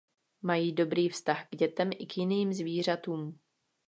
Mají dobrý vztah k dětem i k jiným zvířatům.